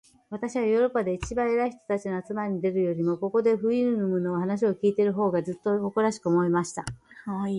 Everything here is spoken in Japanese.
私はヨーロッパで一番偉い人たちの集まりに出るよりも、ここで、フウイヌムの話を開いている方が、ずっと誇らしく思えました。